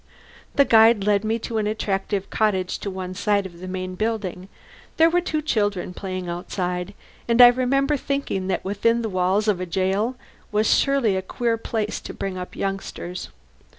The guide led me to an attractive cottage to one side of the main building. There were two children playing outside, and I remember thinking that within the walls of a jail was surely a queer place to bring up youngsters.